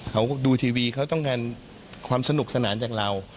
เขาดูทีวีเขาต้องการความสนุกสนานจากเรา